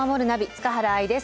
塚原愛です。